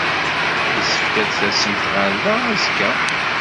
Yessefk ad d-tasemt ɣer da azekka.